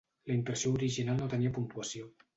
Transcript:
La impressió original no tenia puntuació.